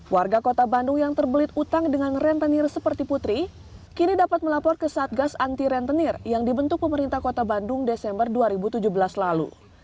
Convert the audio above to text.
warga kota bandung yang terbelit utang dengan rentenir seperti putri kini dapat melapor ke satgas anti rentenir yang dibentuk pemerintah kota bandung desember dua ribu tujuh belas lalu